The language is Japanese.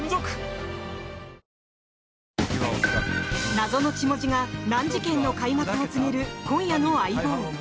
謎の血文字が難事件の開幕を告げる今夜の「相棒」。